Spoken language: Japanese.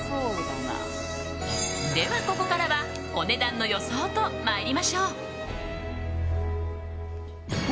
では、ここからはお値段の予想と参りましょう。